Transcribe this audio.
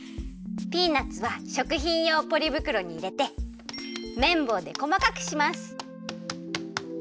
ピーナツはしょくひんようポリぶくろにいれてめんぼうでこまかくします。